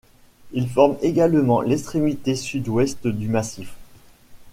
Il forme également l'extrémité sud-ouest du massif.